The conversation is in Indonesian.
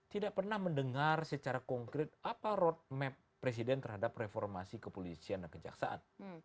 tidak pernah mendengar secara konkret apa roadmap presiden terhadap reformasi kepolisian dan kejaksaan